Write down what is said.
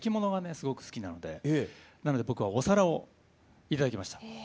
すごく好きなんでなので僕はお皿を頂きました。